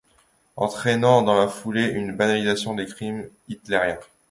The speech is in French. Entraînant, dans la foulée, une banalisation des crimes hitlériens.